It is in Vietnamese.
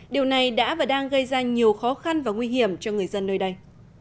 điều này đã và đang gây ra nhiều khó khăn và nguy hiểm cho người dân nơi đây